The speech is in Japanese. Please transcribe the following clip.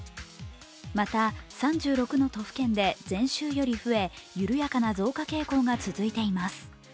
また、３６の都府県で前週より増え、緩やかな増加傾向が続いています。